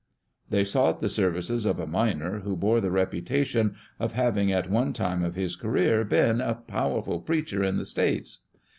" They sought the services of a miner, who bore the reputation of having at one time of his career, been "a powerful preacher in the States."